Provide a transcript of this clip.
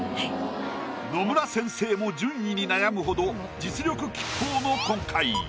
野村先生も順位に悩むほど実力拮抗の今回。